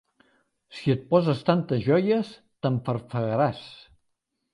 Si et poses tantes joies t'enfarfegaràs!